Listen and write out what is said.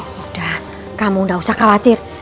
sudah kamu tidak usah khawatir